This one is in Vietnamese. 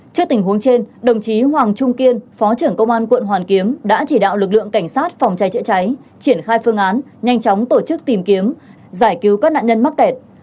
trước tình huống trên đồng chí hoàng trung kiên phó trưởng công an quận hoàn kiếm đã chỉ đạo lực lượng cảnh sát phòng cháy chữa cháy triển khai phương án nhanh chóng tổ chức tìm kiếm giải cứu các nạn nhân mắc kẹt